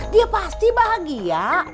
dia pasti bahagia